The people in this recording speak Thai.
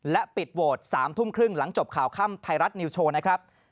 และปิดโหวต๓ทุ่มครึ่งหลังจบข่าวค่ำไทยรัฐนิวโชว์นะครับ